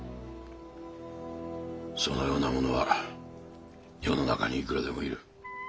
そのような者は世の中にいくらでもいる。